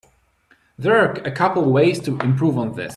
There are a couple ways to improve on this.